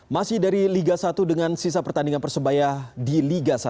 masih dari liga satu dengan sisa pertandingan persebaya di liga satu